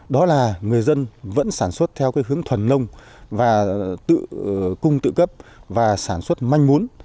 đó là người dân vẫn sản xuất theo cái hướng thuần nông và cung tự cấp và sản xuất manh muốn